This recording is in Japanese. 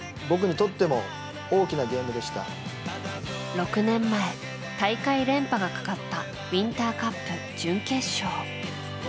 ６年前、大会連覇がかかったウインターカップ準決勝。